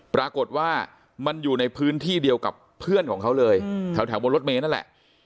ปรากฏว่ามันอยู่ในพื้นที่เดียวกับเพื่อนของเขาเลยแถวบนรถเมย์นั่นแหละ